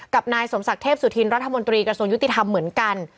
กับนายสมศักดิ์เทพสุธินรัฐมนตรีกระทรวงยุติธรรมเหมือนกัน